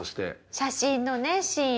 写真のシーン。